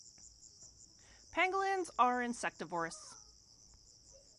Pangolins are insectivorous.